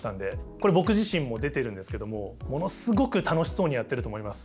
これ僕自身も出てるんですけどもものすごく楽しそうにやってると思います。